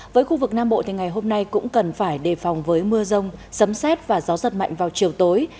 với khu vực nam bộ thì ngày hôm nay cũng cần phải đề phòng với mưa rông sấm xét và gió giật mạnh vào chiều tối